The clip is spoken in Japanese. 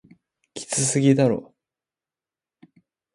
きつすぎだろ